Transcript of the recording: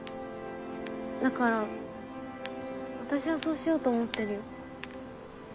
だから私はそうしようと思ってるよ。